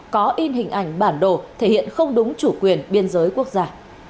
có in hình ảnh bản đồ thể hiện không đúng chủ quyền biên giới quốc gia